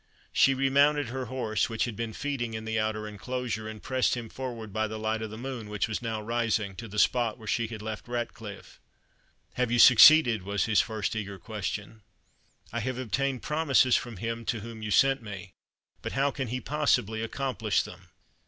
She remounted her horse, which had been feeding in the outer enclosure, and pressed him forward by the light of the moon, which was now rising, to the spot where she had left Ratcliffe. "Have you succeeded?" was his first eager question. "I have obtained promises from him to whom you sent me; but how can he possibly accomplish them?"